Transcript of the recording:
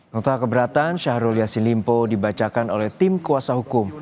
nota keberatan syahrul yassin limpo dibacakan oleh tim kuasa hukum